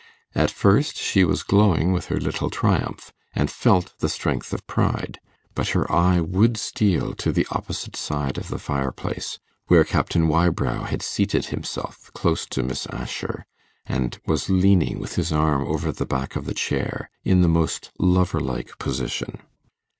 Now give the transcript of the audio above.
At first she was glowing with her little triumph, and felt the strength of pride; but her eye would steal to the opposite side of the fireplace, where Captain Wybrow had seated himself close to Miss Assher, and was leaning with his arm over the back of the chair, in the most lover like position.